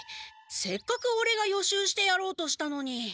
せっかくオレが予習してやろうとしたのに。